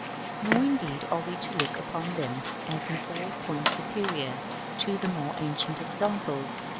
§ XIII. Nor indeed are we to look upon them as in all points superior to the more ancient examples.